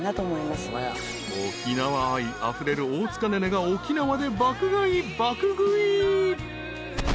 ［沖縄愛あふれる大塚寧々が沖縄で爆買い爆食い］